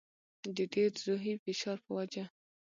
د ډېر روحي فشار په وجه.